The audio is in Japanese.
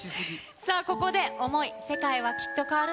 さあここで、想い世界は、きっと変わる。